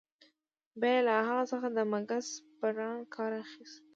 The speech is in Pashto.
بیا يې له هغه څخه د مګس پران کار اخیست.